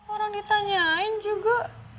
orang ditanyain juga